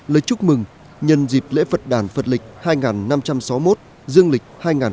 lời chúc mừng nhân dịp lễ phật đàn phật lịch hai năm trăm sáu mươi một dương lịch hai một mươi bảy